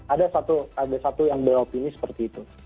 ada satu yang beropini seperti itu